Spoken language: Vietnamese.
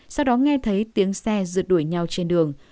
sau đó nghe thấy tiếng xe rượt đuổi nhau trên đường